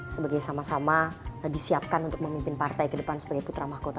sebagai sama sama disiapkan untuk memimpin partai ke depan sebagai putra mahkota